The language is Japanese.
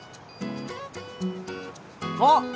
あっ！